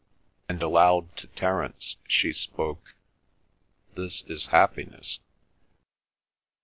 And aloud to Terence she spoke, "This is happiness."